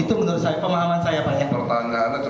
itu menurut saya pemahaman saya banyak pertanyaan